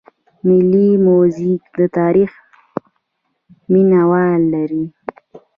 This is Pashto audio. ملي موزیم د تاریخ مینه وال لري